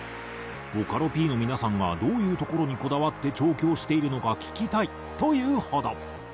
「ボカロＰの皆さんがどういうところにこだわって調教しているのか聞きたい」と言うほど。